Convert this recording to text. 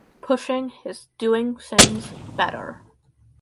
Pushing is doing things better.